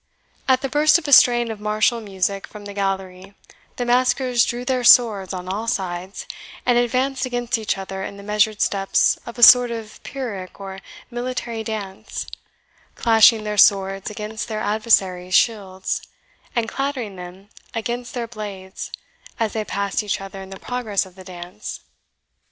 At the burst of a strain of martial music from the gallery the maskers drew their swords on all sides, and advanced against each other in the measured steps of a sort of Pyrrhic or military dance, clashing their swords against their adversaries' shields, and clattering them against their blades as they passed each other in the progress of the dance.